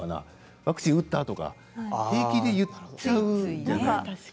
ワクチン打った？とか平気で言っちゃうからね。